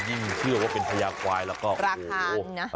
ยินเชื่อว่าเป็นพยาควายและมีราคาง่าย